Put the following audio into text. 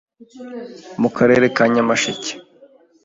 mu karere ka Nyamasheke.